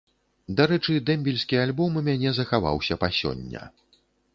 Дарэчы, дэмбельскі альбом у мяне захаваўся па сёння.